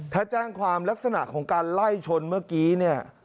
ถ้าแจ้งความลักษณะของการไล่ชนเมื่อกี้เนี่ย